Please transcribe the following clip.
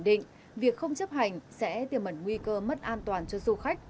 định việc không chấp hành sẽ tiềm ẩn nguy cơ mất an toàn cho du khách